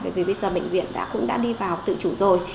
bởi vì bây giờ bệnh viện đã cũng đã đi vào tự chủ rồi